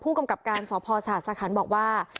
ผู้กำกับการสภทรศาสตร์สาขานบอกว่า